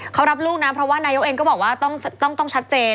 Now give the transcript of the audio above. เขารับลูกนะเพราะว่านายกเองก็บอกว่าต้องชัดเจน